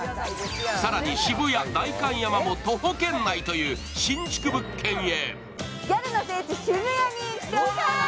更に渋谷、代官山も徒歩圏内という新築物件へ。